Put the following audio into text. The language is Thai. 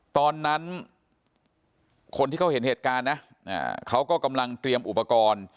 ตอนนั้นคนที่เขาเห็นเหตุการณ์นะเขาก็กำลังเตรียมอุปกรณ์